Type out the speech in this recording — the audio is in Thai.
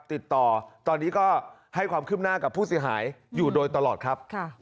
ติดต่อตอนนี้ก็ให้ความคืบหน้ากับผู้เสียหายอยู่โดยตลอดครับ